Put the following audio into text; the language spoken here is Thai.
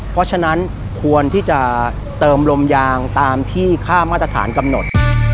เพราะฉะนั้นควรที่จะเติมลมยางตามที่ค่ามาตรฐานกำหนด